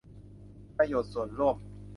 ประโยชน์ส่วนรวม